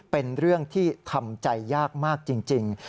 เป็นเรื่องที่ทำใจยากมากจริง